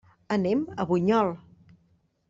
Anem a Bunyol.